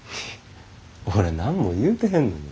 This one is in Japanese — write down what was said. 俺何も言うてへんのに。